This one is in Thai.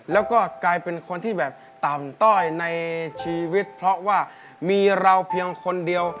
แล้วก็กลายเป็นคนที่แบบต่ำต้อยในชีวิตเพราะว่ามีเราเพียงคนเดียว